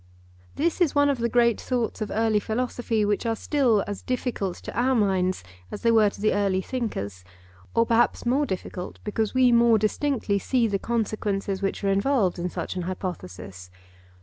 This is one of the great thoughts of early philosophy, which are still as difficult to our minds as they were to the early thinkers; or perhaps more difficult, because we more distinctly see the consequences which are involved in such an hypothesis.